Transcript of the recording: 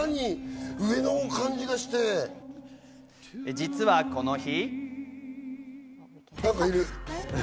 実はこの日。